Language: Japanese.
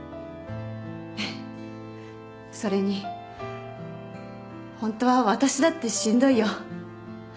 それにホントは私だってしんどいよ。